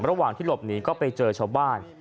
ระหว่างที่หลบหนีก็ไปเจอชาวบ้าน